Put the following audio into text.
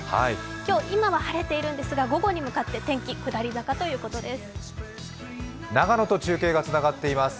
今は晴れているんですが午後に向かって天気下り坂ということです。